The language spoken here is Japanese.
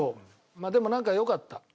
まあでもなんかよかった。